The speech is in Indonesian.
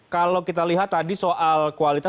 kalau kita lihat tadi soal kualitas